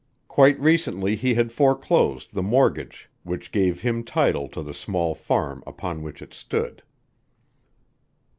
Quite recently he had foreclosed, the mortgage which gave him title to the small farm upon which it stood.